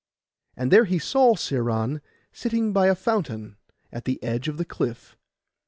And there he saw Sciron sitting by a fountain, at the edge of the cliff.